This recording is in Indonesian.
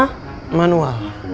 rifki bantu aku ke cap ha